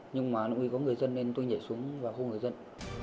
nhưng mà nó có người dân nên tôi nhảy xuống và không có người dân